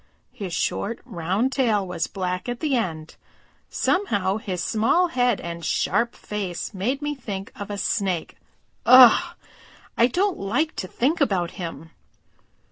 His short, round tail was black at the end. Somehow his small head and sharp face made me think of a Snake. Ugh! I don't like to think about him!"